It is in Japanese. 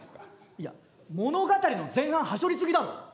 いや物語の前半はしょり過ぎだろ！